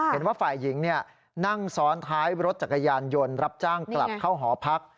เห็นว่าฝ่ายหญิงนั่งซ้อนท้ายรถจักรยานยนต์รับจ้างกลับเข้าหอพัก